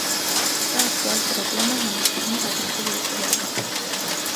Սա ակտուալ պրոբլեմ է հանդիսանում բազմաթիվ երկրներում։